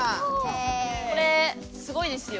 これすごいですよ！